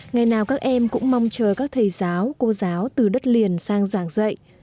ngày nào các em cũng mong chờ các thầy giáo cô giáo từ đất liền sang giảng dạy